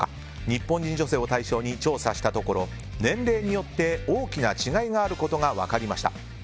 日本人女性を対象に調査したところ年齢によって大きな違いがあることが分かりました。